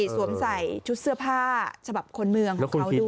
สวมใส่ชุดเสื้อผ้าฉบับคนเมืองของเขาด้วย